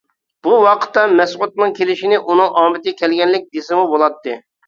بۇ ۋاقىتتا مەسئۇدنىڭ كېلىشىنى ئۇنىڭ ئامىتى كەلگەنلىك دېسىمۇ بولاتتى.